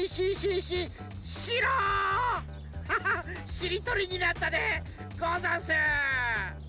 しりとりになったでござんす！